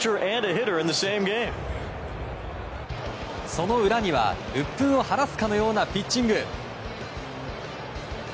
その裏には、うっぷんを晴らすかのようなピッチング。